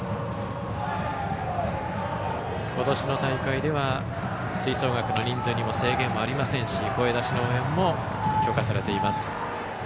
今年の大会では吹奏楽の人数に制限もありませんし声出しの応援も許可されています。